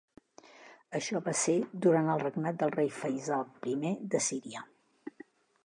Això va ser durant el regnat del rei Feisal I de Síria.